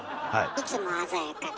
いつも鮮やかで。